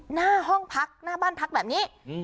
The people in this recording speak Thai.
หน้าห้องพักหน้าบ้านพักแบบนี้